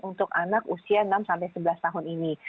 untuk anak usia enam sebelas tahun ini